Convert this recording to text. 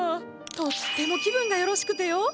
とっても気分がよろしくてよ！